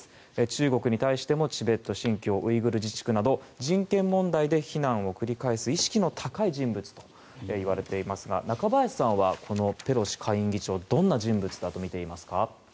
中国に対してもチベット新疆ウイグル自治区など人権問題で非難を繰り返す意識の高い人物といわれていますが中林さんは、ペロシ下院議長どんな人物だとみていますか？